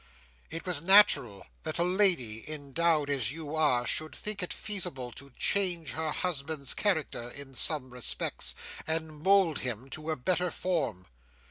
It was natural that a lady, endowed as you are, should think it feasible to change her husband's character in some respects, and mould him to a better form."